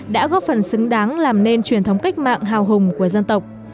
đã góp phần xứng đáng làm nên truyền thống cách mạng hào hùng của dân tộc